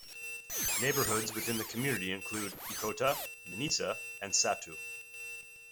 Neighbourhoods within the community include Ekota, Menisa and Satoo.